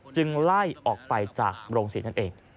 ไล่ออกไปจากโรงศรีนั่นเอง